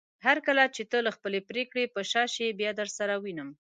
هرکله چې ته له خپلې پریکړې په شا شې بيا درسره وينم